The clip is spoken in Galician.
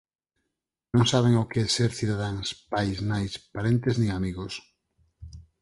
Non saben o que é ser cidadáns, pais, nais, parentes nin amigos.